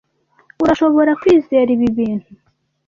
Urashobora kwizera ibi bintu?